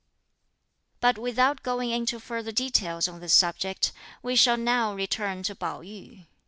But without going into further details on this subject, we shall now return to Pao yü.